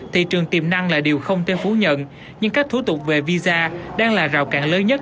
thị trường tiềm năng là điều không thể phủ nhận nhưng các thủ tục về visa đang là rào cản lớn nhất